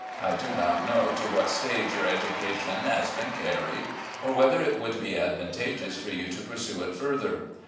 I do not know to what stage your education has been carried, or whether it would be advantageous for you to pursue it ftirther.